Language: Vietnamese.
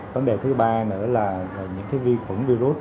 vấn đề thứ ba nữa là những vi khuẩn virus